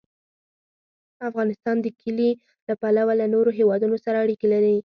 افغانستان د کلي له پلوه له نورو هېوادونو سره اړیکې لري.